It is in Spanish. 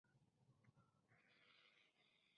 Poema en cuatro jornadas".